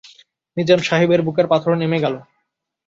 নিজাম সাহেবের বুকের পাথর নেমে গেল।